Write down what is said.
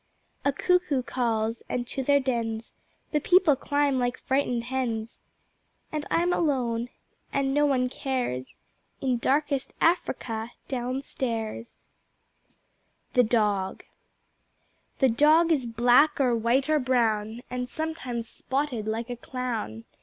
A cuckoo calls and to their dens The People climb like frightened hens, And I'm alone and no one cares In Darkest Africa down stairs. The Dog The Dog is black or white or brown And sometimes spotted like a clown.